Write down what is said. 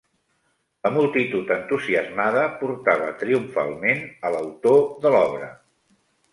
La multitud entusiasmada portava triomfalment a l'autor de l'obra